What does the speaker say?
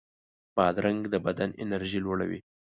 بادرنګ د بدن انرژي لوړوي.